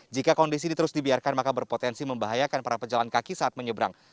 jika kondisi ini terus dibiarkan maka berpotensi membahayakan para pejalan kaki saat menyeberang